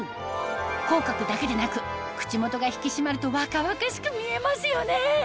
口角だけでなく口元が引き締まると若々しく見えますよね